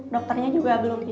dokternya juga belum visit